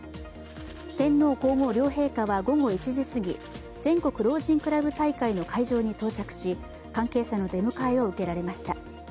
天皇皇后両陛下は午後１時すぎ、全国老人クラブ大会の会場に到着し関係者の出迎えを受けられました。